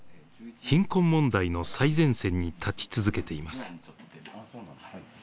貧困問題の最前線に立ち続けています。